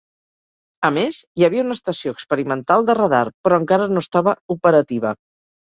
A més, hi havia una estació experimental de radar, però encara no estava operativa.